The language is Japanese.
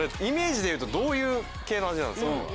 イメージでいうとどういう系の味なんですか？